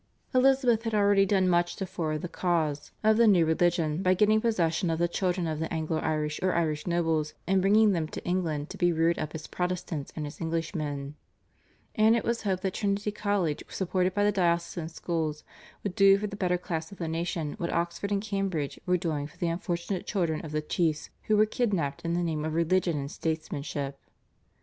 Elizabeth had already done much to forward the cause of the new religion by getting possession of the children of the Anglo Irish or Irish nobles and bringing them to England to be reared up as Protestants and as Englishmen, and it was hoped that Trinity College, supported by the diocesan schools, would do for the better class of the nation what Oxford and Cambridge were doing for the unfortunate children of the chiefs who were kidnapped in the name of religion and statesmanship.